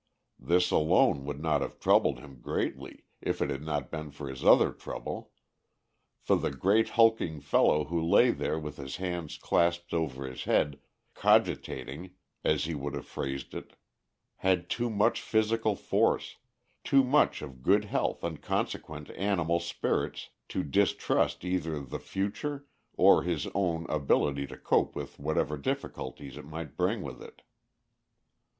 This alone would not have troubled him greatly if it had not been for his other trouble; for the great hulking fellow who lay there with his hands clasped over his head "cogitating," as he would have phrased it, had too much physical force, too much of good health and consequent animal spirits, to distrust either the future or his own ability to cope with whatever difficulties it might bring with it.